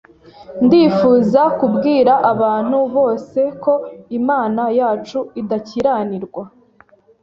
Ndifuza kubwira abantu bose koimana yacu idakiranirwa